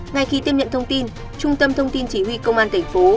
ngay khi tiếp nhận thông tin trung tâm thông tin chỉ huy công an tp